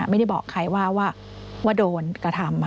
ไม่ได้บอกใครว่าโดนกระทำ